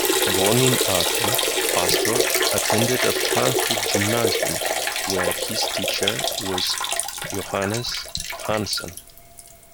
Born in Aachen, Pastor attended a Frankfurt gymnasium, where his teacher was Johannes Janssen.